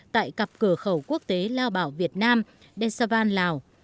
tại cặp cửa khẩu quốc tế lao bảo việt nam đen xa văn lào